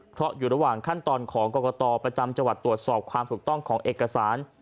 เพราะอยู่ระหว่างขั้นตอนของกรกตประจำจังหวัดตรวจสอบความถูกต้องของเอกสาร